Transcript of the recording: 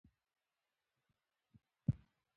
پیسې د ژوند چارې پر مخ وړي.